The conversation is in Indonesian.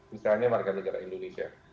misalnya warga negara indonesia